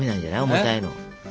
重たいの。